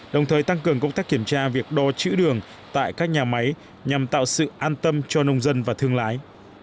đồng thời tăng cường công tác kiểm tra việc đo chữ đường tại các nhà máy nhằm tạo sự an tâm cho nông dân và thương lái